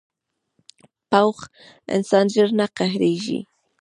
پوخ انسان ژر نه قهرېږي